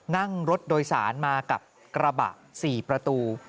นั่งรถโดยสารมากับกระบะ๔ประตู